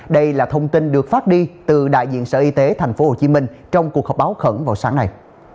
đây là thông tin được phát đi từ đại diện sở y tế thành phố hồ chí minh trong cuộc họp báo khẩn vào sáng nay